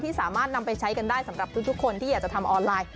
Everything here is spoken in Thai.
สามารถนำไปใช้กันได้สำหรับทุกคนที่อยากจะทำออนไลน์